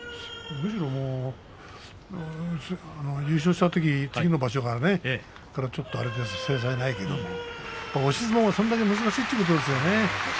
むしろ優勝したとき次の場所がちょっと精細なかったけれども押し相撲はそれだけ難しいということだよね。